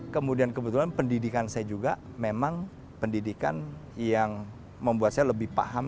kemudian kebetulan pendidikan saya juga memang pendidikan yang membuat saya lebih paham